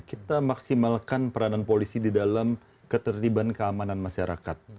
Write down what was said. kita maksimalkan peranan polisi di dalam ketertiban keamanan masyarakat